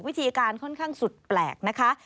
วิธีการค่อนข้างสุดแปลกนะคะ